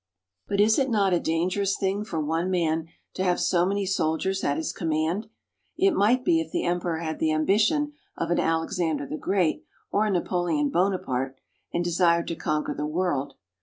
But is it not a dangerous thing for one man to have so many soldiers at his command ? It might be if the emperor had the ambition of an Alexander the Great or a Napoleon Bonaparte and desired to conquer the world.